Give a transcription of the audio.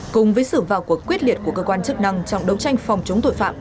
cùng với sự vào cuộc quyết liệt của cơ quan chức năng trong đấu tranh phòng chống tội phạm